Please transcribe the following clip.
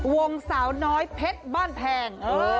วงสาวน้อยเพชรบ้านแพง